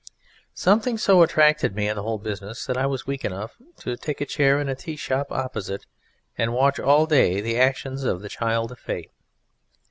Something so attracted me in the whole business that I was weak enough to take a chair in a tea shop opposite and watch all day the actions of the Child of Fate.